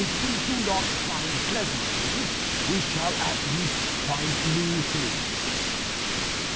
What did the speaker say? If we do not find pleasant things we shall at least find new things."